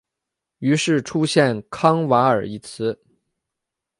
于是出现康瓦尔一词。